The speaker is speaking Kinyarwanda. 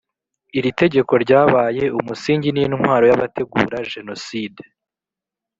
iri tegeko ryabaye umusingi n’intwaro y’abategura jenoside